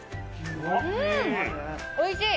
おいしい！